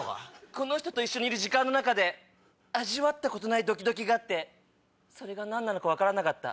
この人と一緒にいる時間の中で味わったことないドキドキがあってそれが何なのか分からなかった。